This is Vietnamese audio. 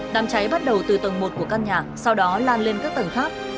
đám cháy bắt đầu từ tầng một của căn nhà sau đó lan lên các tầng khác